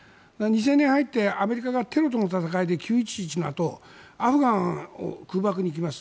２０００年に入ってアメリカがテロとの戦いで９・１１のあとアフガンを空爆に行きます。